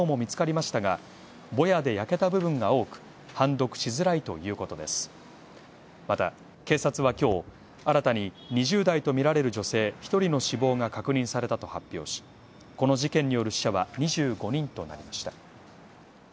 また警察は、今日新たに２０代とみられる女性１人の死亡が確認されたと発表し、この事件による死者は２５人となりました。